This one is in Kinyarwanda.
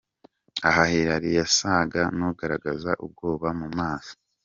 Aha Hillary yasaga n'ugaragaza ubwoba mu maso.